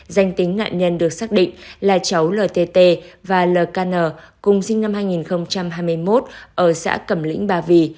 danh tính nạn nhân được xác định là cháu lt và lkn cùng sinh năm hai nghìn hai mươi một ở xã cẩm lĩnh bà vì